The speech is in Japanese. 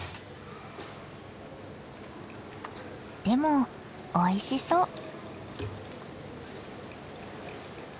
でもおいしそう。